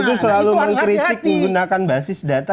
itu selalu mengkritik menggunakan basis data